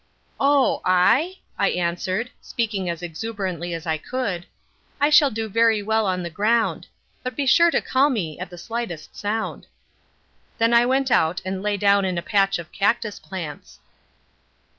"Oh, I?" I answered, speaking as exuberantly as I could, "I shall do very well on the ground. But be sure to call me at the slightest sound." Then I went out and lay down in a patch of cactus plants.